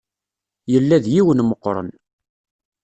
Yella d yiwen meqqren.